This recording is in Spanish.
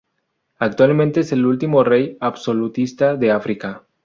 Actualmente es el último rey absolutista de África.